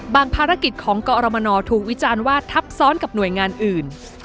ภารกิจของกรมนถูกวิจารณ์ว่าทับซ้อนกับหน่วยงานอื่น